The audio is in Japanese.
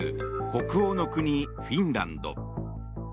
北欧の国、フィンランド。